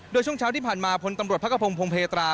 โดยช่วงเช้าที่ผ่านมาพลตำรวจพระกระพงพงเพตรา